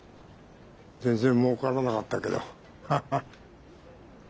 全然もうからなかったけどハハ。